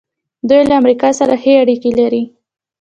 دوی له امریکا سره ښې اړیکې لري.